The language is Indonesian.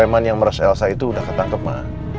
mers elsa itu udah ketangkep ma